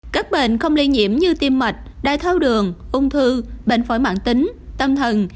các bệnh không lây nhiễm như tim mật đai thâu đường ung thư bệnh phối mạng tính tâm thần